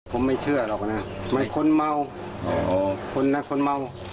ผมไม่เชื่อหรอกนะไม่คนเมาคนนะคนเมา